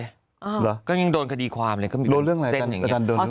ตอนนี้ก็ยังโดนคดีความเลยเขามีอาจารย์อย่างนี้